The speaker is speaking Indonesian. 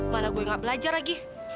mana gue gak belajar lagi